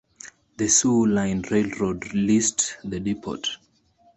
The Soo Line Railroad leased the depot.